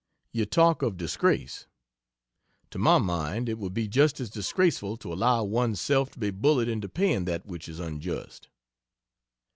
You talk of disgrace. To my mind it would be just as disgraceful to allow one's self to be bullied into paying that which is unjust.